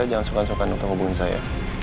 jangan suka suka untuk hubungi saya